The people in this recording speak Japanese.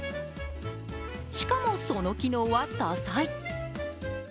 しかも、その機能は多彩。